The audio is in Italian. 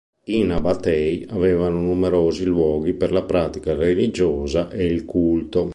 I Nabatei avevano numerosi luoghi per la pratica religiosa e il culto.